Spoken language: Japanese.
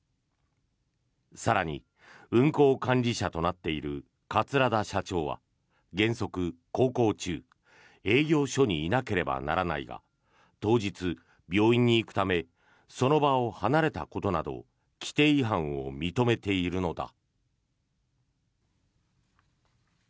更に、運航管理者となっている桂田社長は原則、航行中営業所にいなければならないが当日、病院に行くためその場を離れたことなど規程違反を認めているのだ。